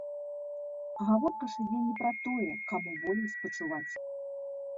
Гаворка ж ідзе не пра тое, каму болей спачуваць.